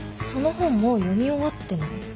その本もう読み終わってない？